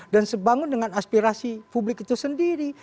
dan sebangun dengan aspirasi publik itu sendiri